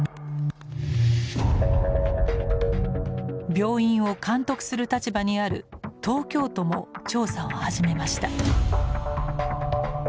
病院を監督する立場にある東京都も調査を始めました。